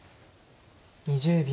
２０秒。